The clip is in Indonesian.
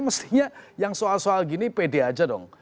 mestinya yang soal soal gini pede aja dong